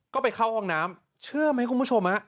ก็ไปเข้าห้องน้ำเชื่อไหมคุณผู้ชม